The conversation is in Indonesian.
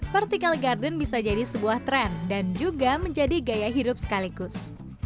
vertical garden bisa jadi sebuah tren dan juga menjadi gaya hidup sekaligus